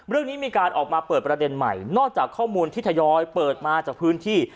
เรื่องนี้มีการออกมาเปิดประเด็นใหม่นอกจากข้อมูลที่ทยอยเปิดมาจากพื้นที่